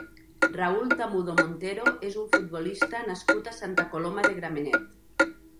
Raúl Tamudo Montero és un futbolista nascut a Santa Coloma de Gramenet.